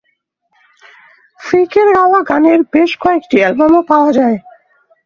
ফ্রিকের গাওয়া গানের বেশ কয়েকটি অ্যালবামও পাওয়া যায়।